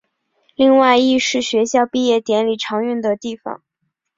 另外亦是学校毕业典礼常用的地方。